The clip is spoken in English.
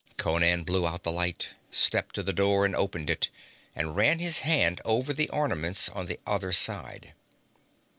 Conan blew out the light, stepped to the door and opened it, and ran his hand over the ornaments on the outer side.